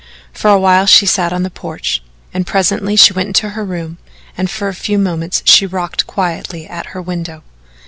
For a while she sat on the porch, and presently she went into her room and for a few moments she rocked quietly at her window.